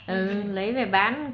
ừ lấy về bán